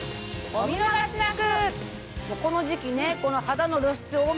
お見逃しなく！